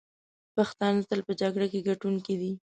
پښتانه تل په جګړه کې ګټونکي دي.